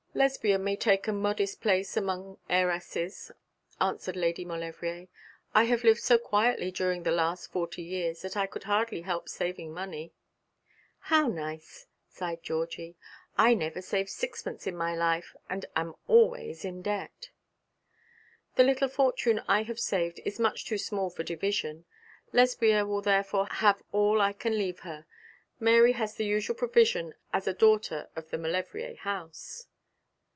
'Lesbia may take a modest place among heiresses,' answered Lady Maulevrier. 'I have lived so quietly during the last forty years that I could hardly help saving money.' 'How nice!' sighed Georgie. 'I never saved sixpence in my life, and am always in debt.' 'The little fortune I have saved is much too small for division. Lesbia will therefore have all I can leave her. Mary has the usual provision as a daughter of the Maulevrier house.'